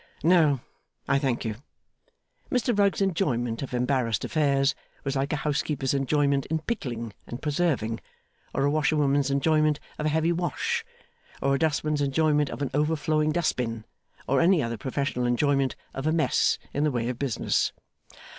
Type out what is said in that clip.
'No, I thank you.' Mr Rugg's enjoyment of embarrassed affairs was like a housekeeper's enjoyment in pickling and preserving, or a washerwoman's enjoyment of a heavy wash, or a dustman's enjoyment of an overflowing dust bin, or any other professional enjoyment of a mess in the way of business.